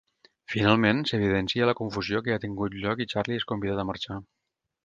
Finalment s'evidencia la confusió que ha tingut lloc i Charlie és convidat a marxar.